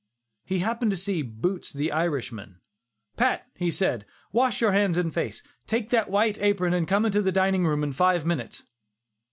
He happened to see "Boots" the Irishman. "Pat," said he, "wash your hands and face; take that white apron and come into the dining room in five minutes."